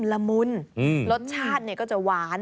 ระมุนรสชาติเนี่ย